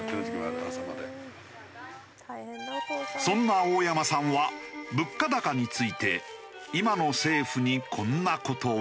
そんな大山さんは物価高について今の政府にこんな事を。